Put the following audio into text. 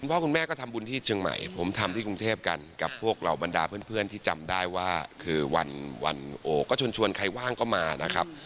พ่อคุณแม่ก็ทำบุญที่เชียงใหม่ผมทำที่กรุงเทพกันกับพวกเราบรรดาเพื่อนที่จำได้ว่าคือวันโอก็ชวนใครว่างก็มานะครับ